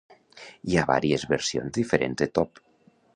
Hi ha vàries versions diferents de Top.